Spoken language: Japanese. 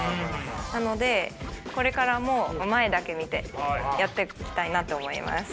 なのでこれからも前だけ見てやっていきたいなと思います。